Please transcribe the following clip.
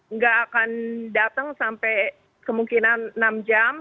nggak akan datang sampai kemungkinan enam jam